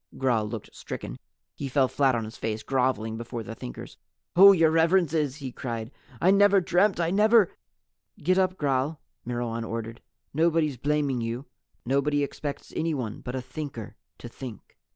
Gral looked stricken. He fell flat on his face, groveling before the Thinkers. "Oh, Your Reverences," he cried, "I never dreamt I never " "Get up, Gral," Myrwan ordered. "Nobody's blaming you. Nobody expects anyone but a Thinker to Think."